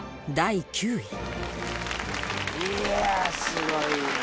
いやあすごいな。